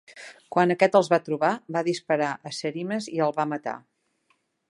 Quan aquest els va trobar, va disparar a Cerines i el va matar.